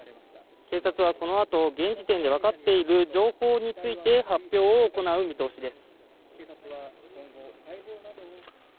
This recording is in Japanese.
警察はこのあと、現時点で分かっている情報について発表を行う見通しです。